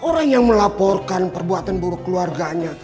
orang yang melaporkan perbuatan buruk keluarganya